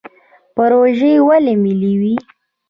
پروژې ولې ملي وي؟